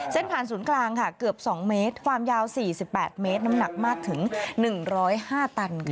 ผ่านศูนย์กลางค่ะเกือบ๒เมตรความยาว๔๘เมตรน้ำหนักมากถึง๑๐๕ตัน